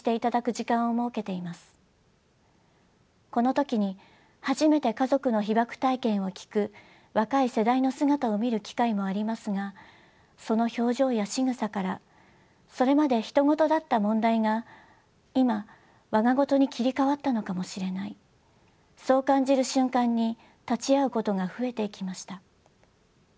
この時に初めて家族の被爆体験を聞く若い世代の姿を見る機会もありますがその表情やしぐさからそれまで他人事だった問題が今我が事に切り替わったのかもしれないそう感じる瞬間に立ち会うことが増えていきました。